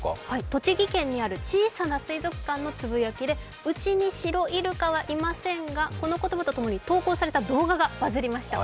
栃木県にある小さな水族館のつぶやきでうちにシロイルカはいませんが、この言葉とともに投稿された動画がバズりました。